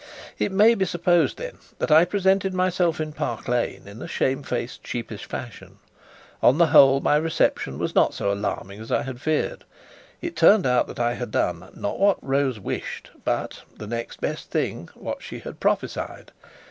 It may be supposed, then, that I presented myself in Park Lane in a shamefaced, sheepish fashion. On the whole, my reception was not so alarming as I had feared. It turned out that I had done, not what Rose wished, but the next best thing what she prophesied.